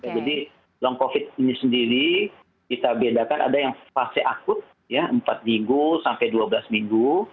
jadi long covid sembilan belas ini sendiri kita bedakan ada yang fase akut empat minggu sampai dua belas minggu